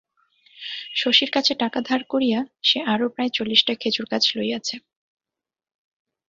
শশীর কাছে টাকা ধার করিয়া সে আরও প্রায় চল্লিশটা খেজুরগাছ লইয়াছে।